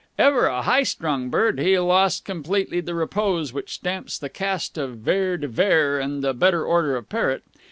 Ever a high strung bird, he lost completely the repose which stamps the caste of Vere de Vere and the better order of parrot.